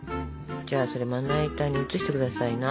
じゃあそれまな板に移して下さいな。